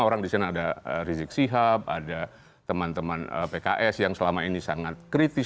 orang di sana ada rizik sihab ada teman teman pks yang selama ini sangat kritis